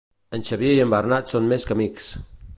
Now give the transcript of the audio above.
En Xavier i en Bernat són més que amics.